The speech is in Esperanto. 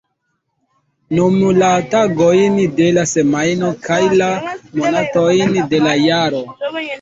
Nomu la tagojn de la semajno kaj la monatojn de la jaro.